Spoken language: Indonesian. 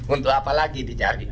untuk apa lagi dicari